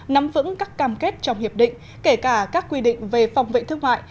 nắm vững các cam kết trong hiệp định kể cả các quy định về phòng vệ thương mại